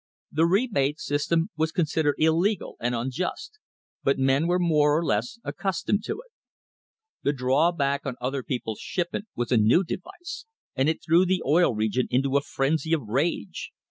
The rebate system was considered illegal and unjust, but men were more or less accustomed to it. The draw back on other people's shipment was a new device, and it threw the Oil Region into a frenzy of rage.